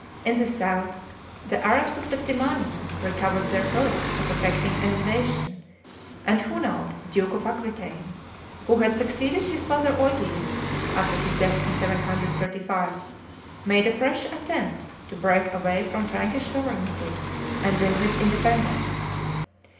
In the south, the Arabs of Septimania recovered their hopes of effecting an invasion; and Hunald, Duke of Aquitaine, who had succeeded his father Eudes, after his death in 735, made a fresh attempt to break away from Frankish sovereignty and win his independence.